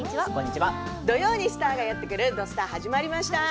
土曜にスターがやってくる「土スタ」始まりました。